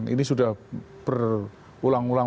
ini sudah berulang ulang